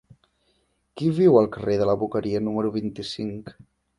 Qui viu al carrer de la Boqueria número vint-i-cinc?